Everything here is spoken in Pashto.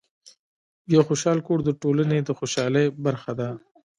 یو خوشحال کور د ټولنې د خوشحالۍ برخه ده.